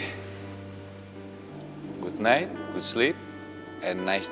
selamat malam selamat tidur dan mimpi yang baik